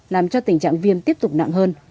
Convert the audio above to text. làm cho tình trạng viêm tiếp tục nặng hơn